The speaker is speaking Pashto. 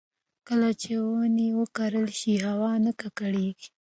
کله چې ونې وکرل شي، هوا نه ککړېږي.